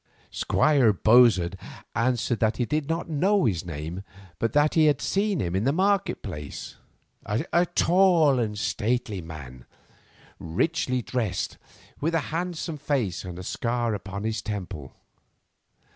Squire Bozard answered that he did not know his name, but that he had seen him in the market place, a tall and stately man, richly dressed, with a handsome face and a scar upon his temple.